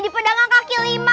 pendagang kaki lima